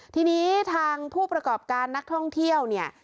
ทีนี้ทางผู้ประกอบการนักท่องเที่ยวเนี่ย